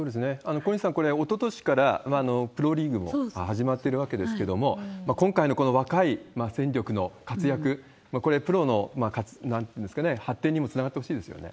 小西さん、おととしからプロリーグも始まっているわけですけれども、今回のこの若い戦力の活躍、これ、プロの、なんていうんですかね、発展にもつながってほしいですよね。